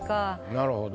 なるほど。